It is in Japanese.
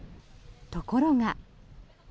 ところが。